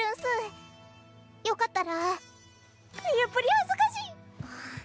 よかったらやっぱり恥ずかしい！